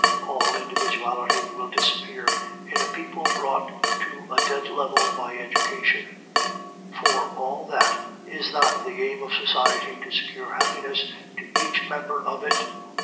"All individuality will disappear in a people brought to a dead level by education." "For all that, is not the aim of society to secure happiness to each member of it?"